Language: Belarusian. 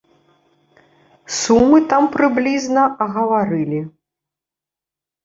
Сумы там прыблізна агаварылі.